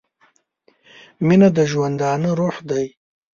• مینه د ژوندانه روح دی.